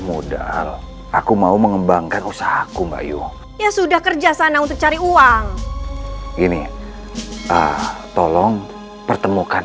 modal aku mau mengembangkan usahaku bayu ya sudah kerja sana untuk cari uang ini tolong pertemukan